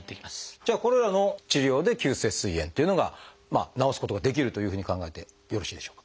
じゃあこれらの治療で急性すい炎っていうのが治すことができるというふうに考えてよろしいでしょうか？